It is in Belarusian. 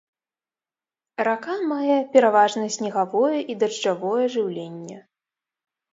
Рака мае пераважна снегавое і дажджавое жыўленне.